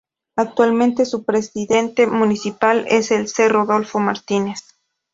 Actualmente su presidente municipal es el C. Rodolfo Martínez.